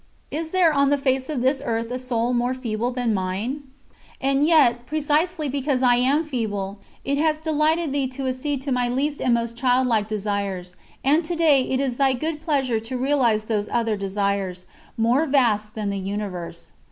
Is there on the face of this earth a soul more feeble than mine? And yet, precisely because I am feeble, it has delighted Thee to accede to my least and most child like desires, and to day it is Thy good pleasure to realise those other desires, more vast than the Universe.